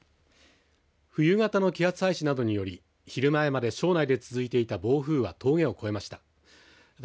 冬型の気圧配置などにより昼前まで庄内で続いていた暴風は峠を越えました。